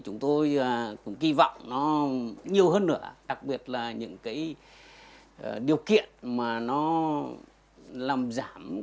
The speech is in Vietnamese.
chúng tôi cũng kỳ vọng nó nhiều hơn nữa đặc biệt là những cái điều kiện mà nó làm giảm